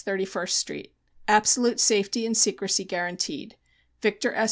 31st St. Absolute safety and secrecy guaranteed. Victor S.